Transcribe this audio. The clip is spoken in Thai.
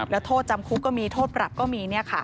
แล้วโทษจำคุกก็มีโทษปรับก็มี